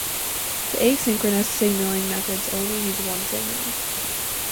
The asynchronous signalling methods use only one signal.